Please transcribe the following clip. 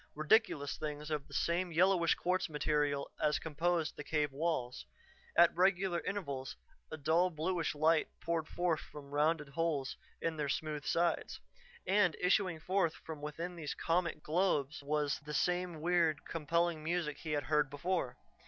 Ridiculous things of the same yellowish quartz material as composed the cave walls. At regular intervals a dull, bluish light poured forth from rounded holes in their smooth sides. And issuing forth from within these comic globes was the same weird, compelling music he had heard before.